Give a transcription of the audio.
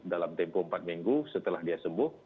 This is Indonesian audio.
dalam tempo empat minggu setelah dia sembuh